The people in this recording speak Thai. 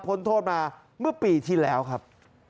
พ้นโทษมาเมื่อปีที่แล้วครับ